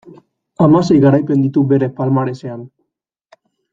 Hamasei garaipen ditu bere palmaresean.